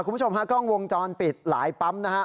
คุณผู้ชมฮะกล้องวงจรปิดหลายปั๊มนะฮะ